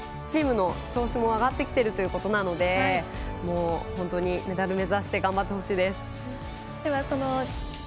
チームの調子も上がってきてるということなので本当にメダル目指して頑張ってほしいです。